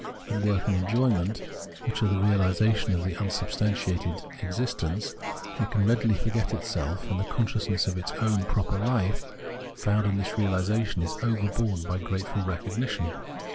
In work and enjoyment, which are the reaUsation of this unsubstantial existence, it can readily forget itself, and the consciousness of its own proper hfe found in this reahsation is overborne by grateful recognition.